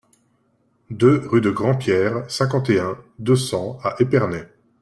deux rue de Grandpierre, cinquante et un, deux cents à Épernay